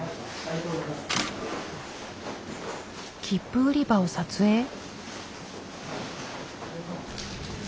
切符売り場を撮影？